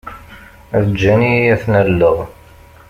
Ǧǧan-iyi ad ten-alleɣ.